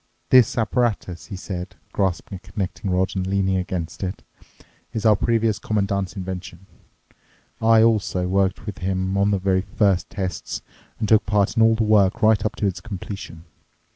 "This apparatus," he said, grasping a connecting rod and leaning against it, "is our previous Commandant's invention. I also worked with him on the very first tests and took part in all the work right up to its completion.